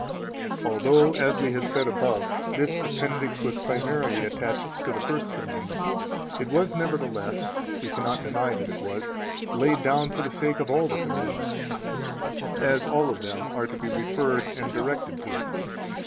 321 Although (as we have heard above) this appendix was primarily attached to the First Commandment, it was nevertheless [we cannot deny that it was] laid down for the sake of all the commandments, as all of them are to be referred and directed to it.